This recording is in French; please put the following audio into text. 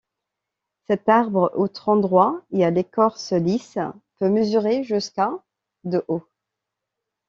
Cet arbre au tronc droit et à l'écorce lisse peut mesurer jusqu'à de haut.